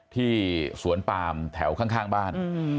ที่สวนปามแถวข้างบ้าน